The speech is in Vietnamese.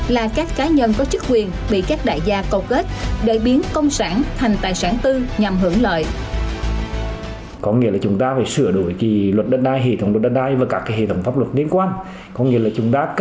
là các cá nhân có chức quyền bị các đại gia cầu kết để biến công sản thành tài sản tư